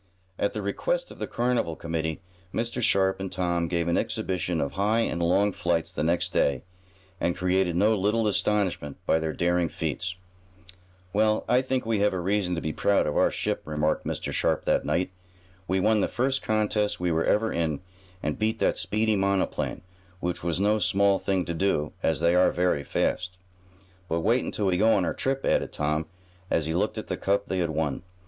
At the request of the carnival committee, Mr. Sharp and Tom gave an exhibition of high and long flights the next day, and created no little astonishment by their daring feats. "Well, I think we have reason to be proud of our ship," remarked Mr. Sharp that night. "We won the first contest we were ever in, and beat that speedy monoplane, which was no small thing to do, as they are very fast." "But wait until we go on our trip," added Tom, as he looked at the cup they had won.